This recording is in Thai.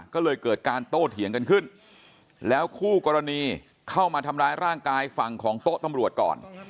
ก็เลยเกิดการโต้เถียงกันขึ้นแล้วคู่กรณีเข้ามาทำร้ายร่างกายฝั่งของโต๊ะตำรวจก่อน